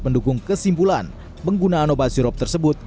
tapi mendukung kesimpulan penggunaan obat sirup tersebut